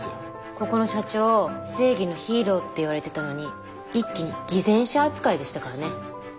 ここの社長正義のヒーローって言われてたのに一気に偽善者扱いでしたからね。